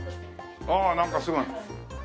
ああなんかすごい。